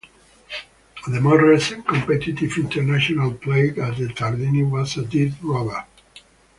The most recent competitive international played at the Tardini was a dead rubber.